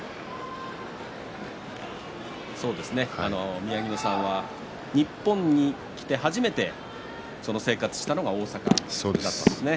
宮城野さんは日本に来て初めて生活をしたのが大阪だったんですね。